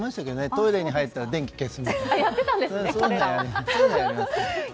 トイレに入ったら電気を消すとか。